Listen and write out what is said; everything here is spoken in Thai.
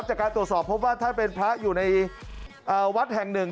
จากการตรวจสอบพบว่าท่านเป็นพระอยู่ในวัดแห่งหนึ่ง